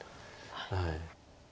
はい。